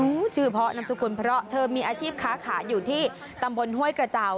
ชื่อเพราะนามสกุลเพราะเธอมีอาชีพค้าขายอยู่ที่ตำบลห้วยกระเจ้า